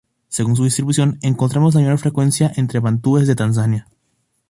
Según su distribución, encontramos la mayor frecuencia entre bantúes de Tanzania.